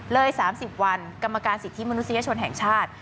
เลย๓๐วันกรรมการสิทธิมนุษยชนแห่งชาติ